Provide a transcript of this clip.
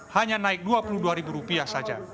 hanya naik rp dua puluh dua saja